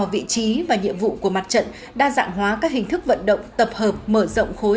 vị trí và nhiệm vụ của mặt trận đa dạng hóa các hình thức vận động tập hợp mở rộng khối